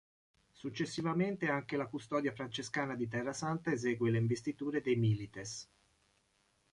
Successivamente anche la Custodia francescana di Terra santa esegue le investiture dei Milites.